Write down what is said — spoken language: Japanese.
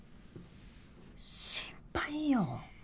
心配よ。